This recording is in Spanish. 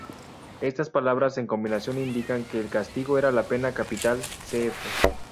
Estas palabras en combinación indican que el castigo era la pena capital; cf.